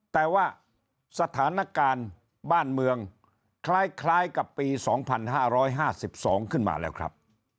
แต่ว่าสถานการณ์บ้านเมืองคล้ายคล้ายกับปีสองพันห้าร้อยห้าสิบสองขึ้นมาแล้วครับ